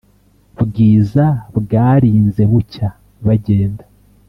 bwiza bwarinze bucya bagenda